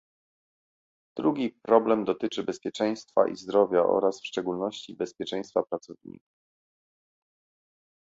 Drugi problem dotyczy bezpieczeństwa i zdrowia oraz w szczególności bezpieczeństwa pracowników